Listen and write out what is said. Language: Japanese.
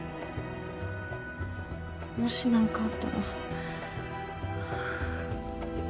もし何かあったら。